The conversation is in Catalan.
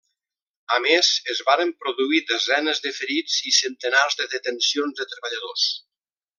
A més, es varen produir desenes de ferits i centenars de detencions de treballadors.